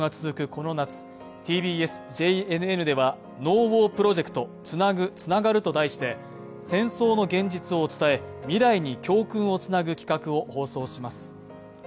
この夏、ＴＢＳ、ＪＮＮでは「ＮＯＷＡＲプロジェクトつなぐ、つながる」と題して、戦争の現実を伝え、未来に教訓をつなぐ企画を放送します。